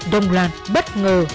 đông loạn bất ngờ